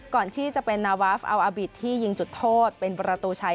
ก่อนที่จะเป็นนาวาฟอัลอาบิตที่ยิงจุดโทษเป็นประตูชัย